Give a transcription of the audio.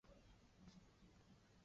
在建设当时成巽阁名为巽御殿。